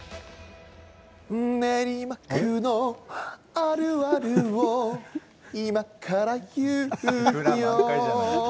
「練馬区のあるあるを今から言うよ」